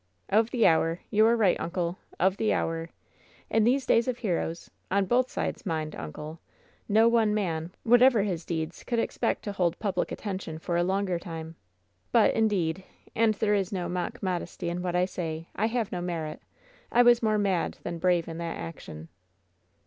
"Of the hour. You are right, uncle! Of the hour! In these days of heroes — on both sides, mind, uncle — no one man, whatever his deeds, could expect to hold public attention for a longer time. But, indeed — and there is no mock modesty in what I say — I have no merit. I was more mad than brave in that action."